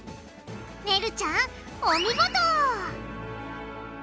ねるちゃんお見事！